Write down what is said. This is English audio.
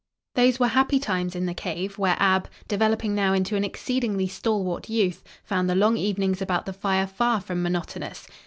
Those were happy times in the cave, where Ab, developing now into an exceedingly stalwart youth, found the long evenings about the fire far from monotonous.